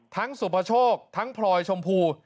ทั้งสุพชกทั้งพรอยชมพู